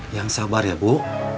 ibu sabar ya bu